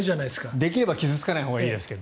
できれば傷付かないほうがいいですけど。